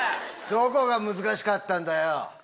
どこが難しかったんだよ。